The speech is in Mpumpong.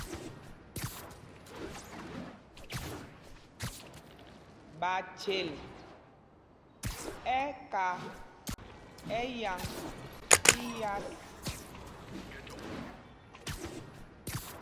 Ɓachyel ɛ́ ka ɛyǎŋ tí yas.